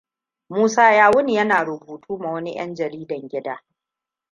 Musa ya wuni yana rubutu ma wani 'yan jaridan gida.